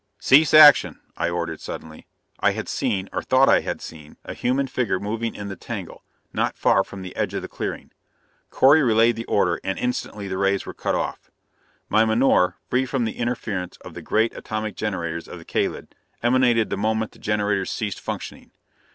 "Cease action!" I ordered suddenly. I had seen, or thought I had seen, a human figure moving in the tangle, not far from the edge of the clearing. Correy relayed the order, and instantly the rays were cut off. My menore, free from the interference of the great atomic generators of the Kalid, emanated the moment the generators ceased functioning.